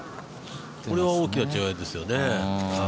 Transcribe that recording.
これは大きな違いですよね。